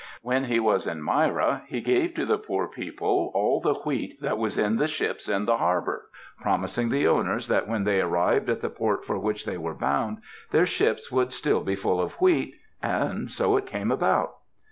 When he was in Myra he gave to the poor people all the wheat that was in the ships in the harbour, promis ing the owners that when they arrived at the port for which they were bound their ships would still be full of wheat; and so it came about.